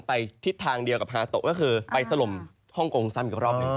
ไปทิศทางเดียวกับฮาโตก็คือไปสลมฮ่องโกงซัมอีกรอบ